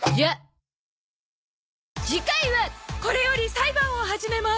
これより裁判を始めます